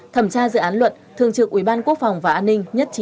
thẩm tra dự án luật thường trực ubqvn nhất trí với giải quyết